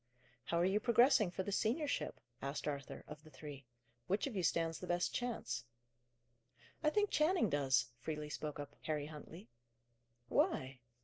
"How are you progressing for the seniorship?" asked Arthur, of the three. "Which of you stands the best chance?" "I think Channing does," freely spoke up Harry Huntley. "Why?"